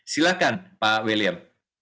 silahkan pak william